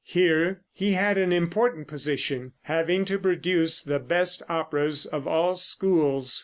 Here he had an important position, having to produce the best operas of all schools.